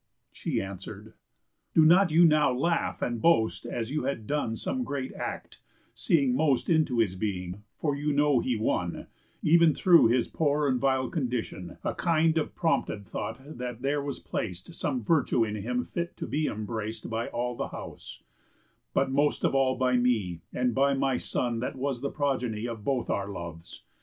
She answer'd: "Do not you now laugh and boast As you had done some great act, seeing most Into his being; for you know he won— Ev'n through his poor and vile condition— A kind of prompted thought that there was plac'd Some virtue in him fit to be embrac'd By all the house, but most of all by me, And by my son that was the progeny Of both our loves.